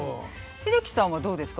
英樹さんはどうですか？